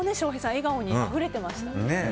笑顔にあふれてましたね。